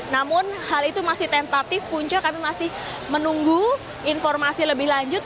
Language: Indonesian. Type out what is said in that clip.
namun hal itu masih tentatif punca kami masih menunggu informasi lebih lanjut